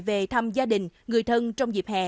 về thăm gia đình người thân trong dịp hè